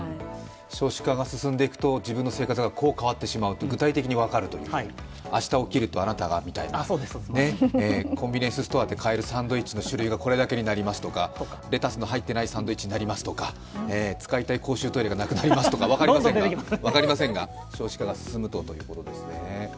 少子化が進んでいくと、自分に生活がこう変わってしまうというのが具体的に分かるという、明日起きるとあなたがみたいな、コンビニエンスストアで買えるサンドイッチの種類がこれだけになりますとかレタスの入っていないサンドイッチになりますとか使いたい公衆トイレが使えなくなりますとか、分かりませんが、少子化が進むとということですね。